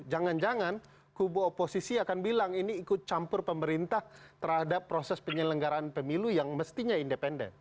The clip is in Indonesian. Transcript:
jangan jangan kubu oposisi akan bilang ini ikut campur pemerintah terhadap proses penyelenggaraan pemilu yang mestinya independen